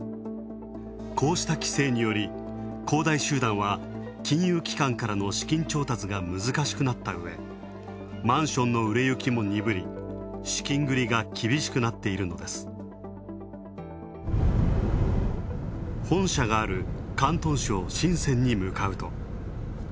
こうした規制により、恒大集団は、金融機関からの資金調達が難しくなったうえ、マンションの売れ行きも鈍り、資金繰りが厳しくなっているのです本社がある、広東省、深センに向かうと。